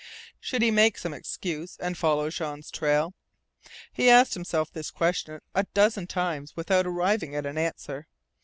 Should he make some excuse and follow Jean's trail? He asked himself this question a dozen times without arriving at an answer.